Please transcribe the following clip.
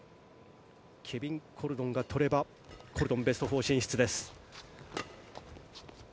ケビン・コルドンが取ればコルドンがベスト４進出です。